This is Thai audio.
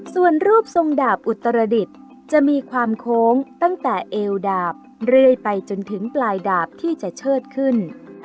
ส่วนรูปทรงดาบอุตรดิษฐ์จะมีความโค้งตั้งแต่เอวดาบเรื่อยไปจนถึงปลายดาบที่จะเชิดขึ้น